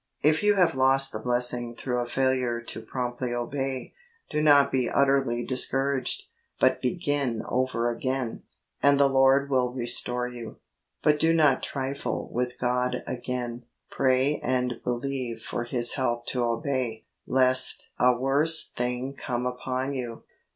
If you have lost the blessing through a failure to promptly obey, do not be utterly discouraged, but begin over again, and the Lord will restore you. But do not trifle w'ith God again; pray and believe for His help to obey, lest a worse thing come upon you.